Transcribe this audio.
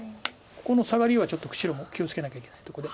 ここのサガリはちょっと白も気を付けなきゃいけないとこで。